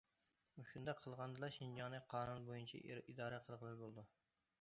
مۇشۇنداق قىلغاندىلا شىنجاڭنى قانۇن بويىچە ئىدارە قىلغىلى بولىدۇ.